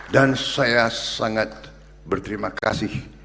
dan saya sangat berterima kasih